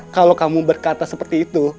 kalau kamu berkata seperti itu